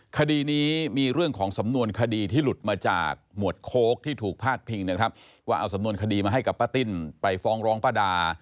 คดีนี้มีเรื่องของสำนวนคดีที่หลุดมาจากหมวดโค้กที่ถูกพาดพิงนะครับว่าเอาสำนวนคดีมาให้กับป้าติ้นไปฟ้องร้องป้าดา